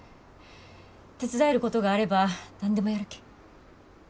手伝えることがあれば何でもやるけん。